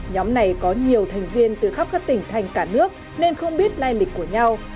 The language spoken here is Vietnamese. nhóm này có nhiều thành viên từ khắp các tỉnh thành cả nước nên không biết lai lịch của nhau